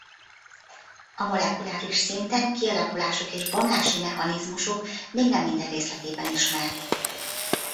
A molekuláris szinten kialakulásuk és bomlási mechanizmusuk még nem minden részletében ismert.